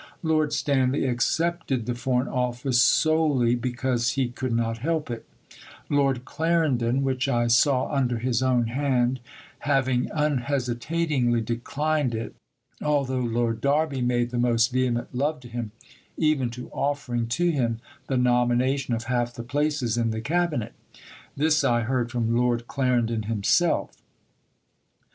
Lord Stanley accepted the Foreign Office solely because he could not help it Lord Clarendon (which I saw under his own hand) having "unhesitatingly declined" it, although Lord Derby made the most vehement love to him, even to offering to him the nomination of half the places in the Cabinet. This I heard from Lord Clarendon himself....